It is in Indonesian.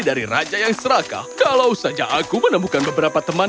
dari raja yang serakah kalau saja aku menemukan beberapa teman